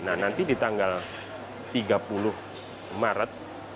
nah nanti di tanggal tiga puluh maret